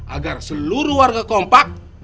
agar seluruh warga kompak